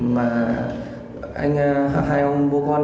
mà hai ông bố con